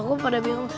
aku pada bingung